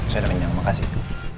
saya udah minyak makasih